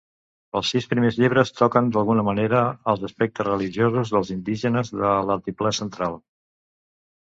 Els sis primers llibres toquen d'alguna manera els aspectes religiosos dels indígenes de l'altiplà central.